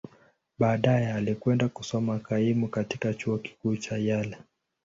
Baadaye, alikwenda kusoma kaimu katika Chuo Kikuu cha Yale.